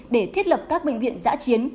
để thiết lập các bệnh viện giã chiến